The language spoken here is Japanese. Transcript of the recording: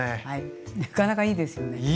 はいなかなかいいですよね。